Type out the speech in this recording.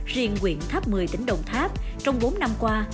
riêng quyện tháp một mươi tỉnh đồng tháp trong bốn năm qua